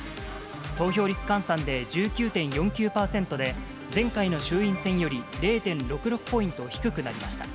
投票率換算で１９．４９％で、前回の衆院選より０．６６ポイント低くなりました。